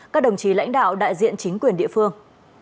các đồng chí lãnh đạo đại diện chính quyền địa phương